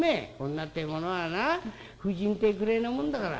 女ってえものはな婦人ってくれえなもんだから。